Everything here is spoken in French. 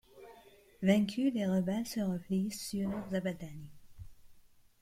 Vaincus, les rebelles se replient sur Zabadani.